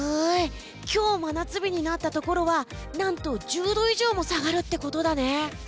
今日真夏日になったところは何と１０度以上も下がるってことだね。